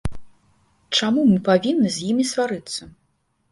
Чаму мы павінны з імі сварыцца?